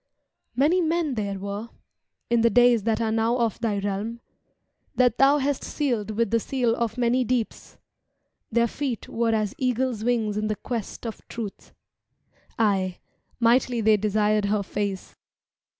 Many men there were. In the days that are now of thy realm. That thou hast sealed with the seal of many deeps; Their feet were as eagles' wings in the quest of Truth Aye, mightily they desired her face.